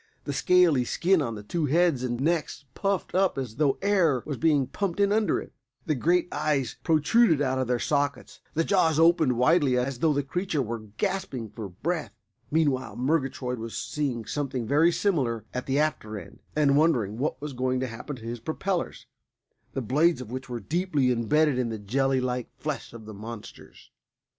The scaly skin on the two heads and necks puffed up as though air was being pumped in under it. The great eyes protruded out of their sockets; the jaws opened widely as though the creature were gasping for breath. Meanwhile Murgatroyd was seeing something very similar at the after end, and wondering what was going to happen to his propellers, the blades of which were deeply imbedded in the jelly like flesh of the monsters.